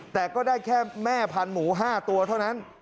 แต่ก็ได้แค่แม่พันหมู๕ตัวเท่านั้น